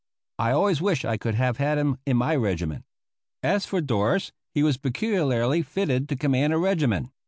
I always wished I could have had him in my regiment. As for Dorst, he was peculiarly fitted to command a regiment.